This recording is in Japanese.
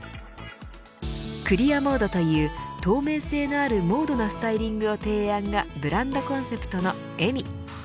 クリアモードという透明性のあるモードなスタイリング提案がブランドコンセプトのｅｍｍｉ。